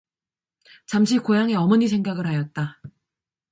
잠시 고향의 어머니 생각을 하였다.